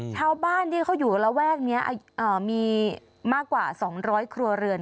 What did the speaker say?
ชาวบ้านที่เขาอยู่ระแวกนี้มีมากกว่า๒๐๐ครัวเรือน